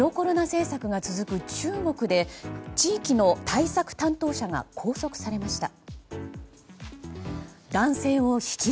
政策が続く中国で地域の対策担当者が拘束されました。